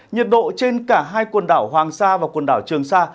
nhiệt độ trên cả hai quần đảo hoàng sa và quần đảo trường sa